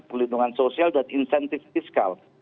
perlindungan sosial dan insentif fiskal